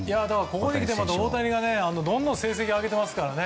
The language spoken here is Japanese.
ここにきてまた大谷がどんどん成績を上げていますからね。